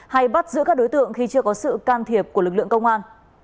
hay bắt giữ các đối tượng khi chưa có sự can thiệp của lực lượng công an